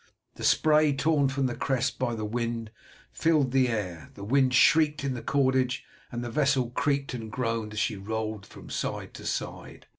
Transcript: The spray torn from the crest by the wind filled the air. The wind shrieked in the cordage, and the vessel creaked and groaned as she rolled from side to side.